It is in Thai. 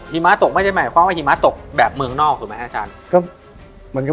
หิมะตกไหมเพราะว่าหิมะตกแบบเมืองนอกถือไหมฮะ